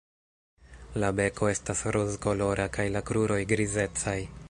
La beko estas rozkolora kaj la kruroj grizecaj.